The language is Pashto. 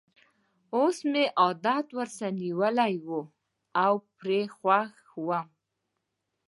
اوس مې عادت ورسره نیولی وو او پرې خوښ وم.